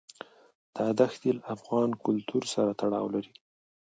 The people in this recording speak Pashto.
دا دښتې له افغان کلتور سره تړاو لري.